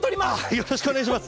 よろしくお願いします。